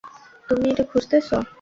তুমি এটা খুঁজতেছো?